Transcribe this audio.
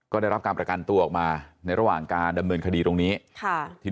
ก็ได้รับการประกันตัวออกมาในระหว่างการดำเนินคดีตรงนี้ค่ะที่